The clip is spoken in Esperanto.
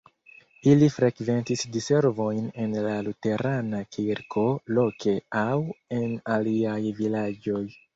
Ili frekventis diservojn en la luterana kirko loke aŭ en aliaj vilaĝoj.